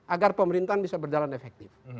agar pemerintahan bisa berjalan efektif